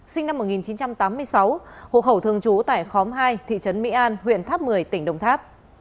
sinh năm một nghìn chín trăm tám mươi sáu hộ khẩu thường trú tại khóm hai thị trấn mỹ an huyện tháp một mươi tỉnh đồng tháp